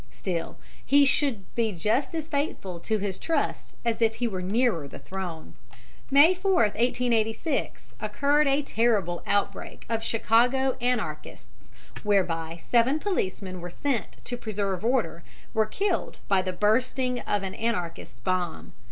Still, he should be just as faithful to his trust as he would be if he were nearer the throne. May 4, 1886, occurred a terrible outbreak of Chicago Anarchists, whereby seven policemen sent to preserve order were killed by the bursting of an Anarchist's bomb.